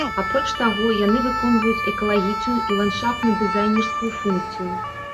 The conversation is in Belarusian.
Апроч таго, яны выконваюць экалагічную і ландшафтна-дызайнерскую функцыю.